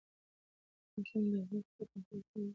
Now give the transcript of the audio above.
ماشومان د وخت پر مفهوم پوهېږي.